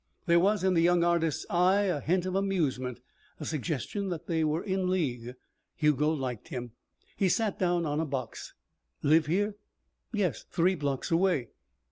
There was in the young artist's eye a hint of amusement, a suggestion that they were in league. Hugo liked him. He sat down on a box. "Live here?" "Yes. Three blocks away."